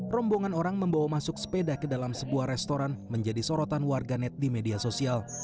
rombongan orang membawa masuk sepeda ke dalam sebuah restoran menjadi sorotan warganet di media sosial